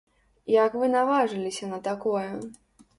Як вы наважыліся на такое?